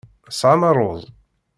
Tesɛam ṛṛuz?